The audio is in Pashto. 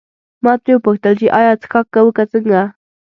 ما ترې وپوښتل چې ایا څښاک کوو که څنګه.